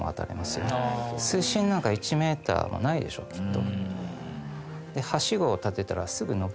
水深なんか１メーターもないでしょきっと。